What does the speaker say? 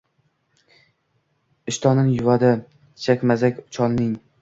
ishtonin yuvadi chakmazak cholning